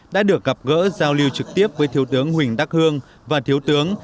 đã được gặp gỡ giao lưu trực tiếp với thiếu tướng huỳnh đắc hương và thiếu tướng